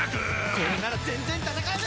これなら全然戦える。